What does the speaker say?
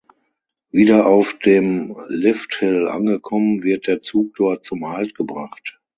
Wieder auf dem Lifthill angekommen wird der Zug dort zum Halt gebracht.